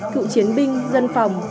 cựu chiến binh dân phòng